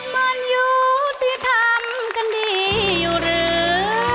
มันอยู่ที่ทำกันดีอยู่หรือ